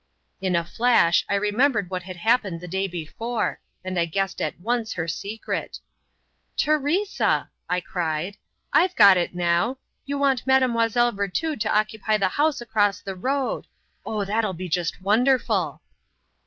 In a flash I remembered what had happened the day before, and I guessed at once her secret. "Teresa!" I cried, "I've got it now! You want Mademoiselle Virtud to occupy the house across the road. Oh, that'll be just wonderful!"